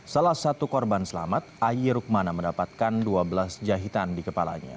salah satu korban selamat ayy rukmana mendapatkan dua belas jahitan di kepalanya